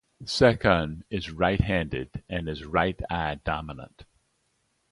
Sekhon is right handed and is right eye dominant.